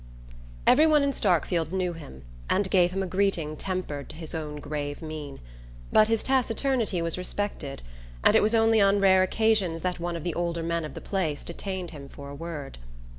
Every one in Starkfield knew him and gave him a greeting tempered to his own grave mien; but his taciturnity was respected and it was only on rare occasions that one of the older men of the place detained him for a word.